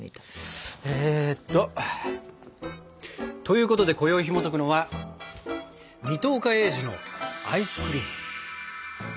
えっと。ということでこよいひもとくのは「水戸岡鋭治のアイスクリーム」。